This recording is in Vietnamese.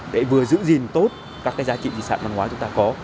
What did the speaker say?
để vừa giữ gìn tốt các cái giá trị di sản văn hóa chúng ta có